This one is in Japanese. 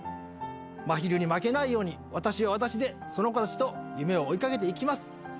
まひるに負けないように私は私でその子たちと夢を追いかけていきます。